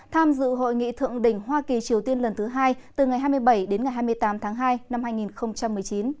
tham dự hội nghị thượng đỉnh hoa kỳ triều tiên lần thứ hai từ ngày hai mươi bảy đến ngày hai mươi tám tháng hai năm hai nghìn một mươi chín